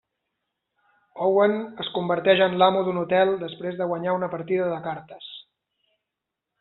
Owen es converteix en l'amo d'un hotel després de guanyar una partida de cartes.